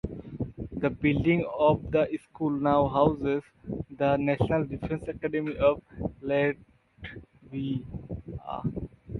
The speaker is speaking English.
The building of the school now houses the National Defence Academy of Latvia.